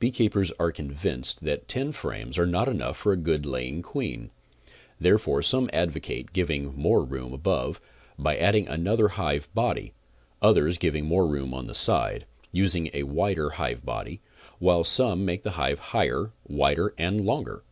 Beekeepers are convinced that ten frames are not enough for a good laying queen, therefore some advocate giving more room above, by adding another hive body, others giving more room on the side, using a wider hive body, while some make the hive higher, wider and longer.